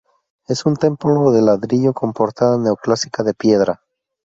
Es un templo de ladrillo con portada neoclásica de piedra.